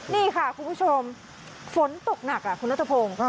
นี่ค่ะคุณผู้ชมฝนตกหนักคุณนัทพงศ์